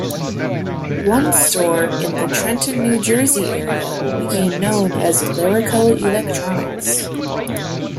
One store in the Trenton, New Jersey area became known as "Laraco Electronics".